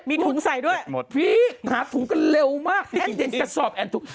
มีถุงใส่ด้วยหมดพี่หาถุงกันเร็วมากแน่นเย็นกระสอบแอนถุง